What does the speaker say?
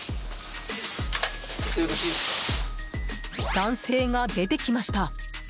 男性が出てきました。